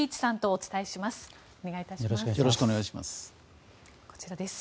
お願いいたします。